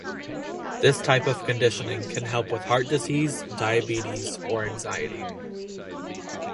This type of conditioning can help with heart disease, diabetes, or anxiety.